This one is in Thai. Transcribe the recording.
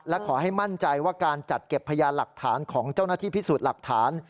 และขอให้มั่นใจว่าการจัดเก็บพยานหลักฐานของเจ้าหน้าที่พิสูจน์หลักฐาน